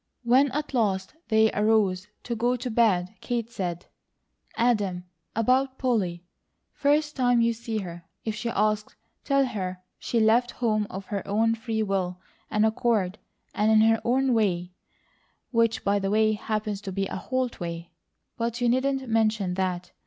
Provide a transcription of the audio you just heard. When at last they arose to go to bed Kate said: "Adam, about Polly: first time you see her, if she asks, tell her she left home of her own free will and accord, and in her own way, which, by the way, happens to be a Holt way; but you needn't mention that.